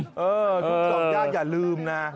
เออทุกอย่าลืมนะ